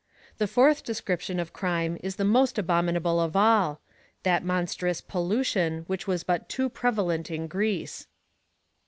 The fourth description of crime is the most abominable of all — that monstrous pollution which was but too prevalent in Greece.